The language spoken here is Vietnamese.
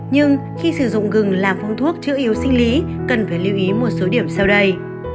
nhưng khi sử dụng gừng là phun thuốc chữa yếu sinh lý cần phải lưu ý một số điểm sau đây